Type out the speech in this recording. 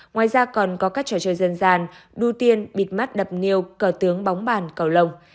ngoài ra còn có các trò chơi dân gian đu tiên bịt mát đập niêu cờ tướng bóng bàn cầu lồng